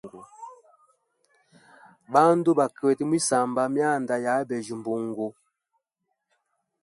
Bandu bakwete mwisamba mwyanda ya abeja mbungu.